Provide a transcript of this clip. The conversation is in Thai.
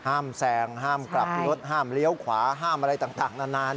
แซงห้ามกลับรถห้ามเลี้ยวขวาห้ามอะไรต่างนาน